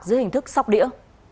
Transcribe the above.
dưới hình thức sóc đĩa